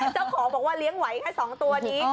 เจ้าของบอกว่าเลี้ยงไหวแค่๒ตัวนี้